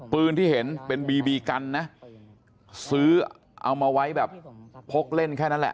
ปืนที่เห็นเป็นบีบีกันนะซื้อเอามาไว้แบบพกเล่นแค่นั้นแหละ